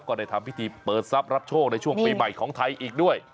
ก็ได้ทำพิธีเปิดทรัพย์รับโชคในช่วงปีใหม่ของไทยอีกด้วย